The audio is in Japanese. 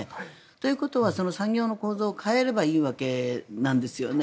ということは産業の構造を変えればいいわけなんですよね。